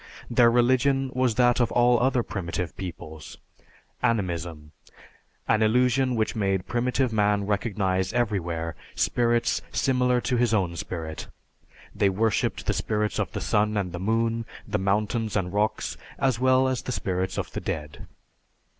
Their religion was that of all other primitive peoples Animism, an illusion which made primitive man recognize everywhere spirits similar to his own spirit. They worshiped the spirits of the sun and the moon, the mountains and rocks, as well as the spirits of the dead.